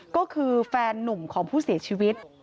ก็คือแฟนนุ่มของผู้เสียชีวิต